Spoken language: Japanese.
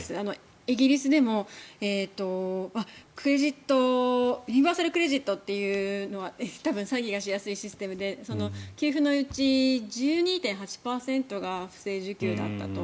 イギリスでもユニバーサルクレジットっていうのは多分、詐欺がしやすいシステムで給付のうち１２．８％が不正受給だったと。